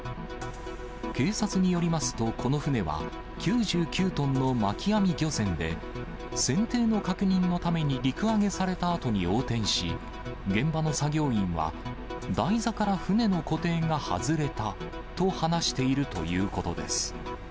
警察によりますと、この船は、９９トンの巻き網漁船で、船底の確認のために陸揚げされたあとに横転し、現場の作業員は、台座から船の固定が外れたと話しているということです。